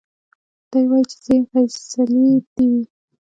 دی وايي چي زه يم فيصلې دي وي